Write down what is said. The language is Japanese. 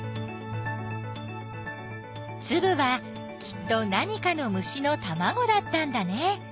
つぶはきっと何かの虫のたまごだったんだね！